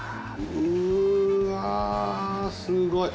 うわすごい！